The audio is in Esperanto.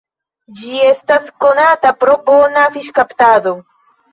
Ĝi estas konata pro bona fiŝkaptado.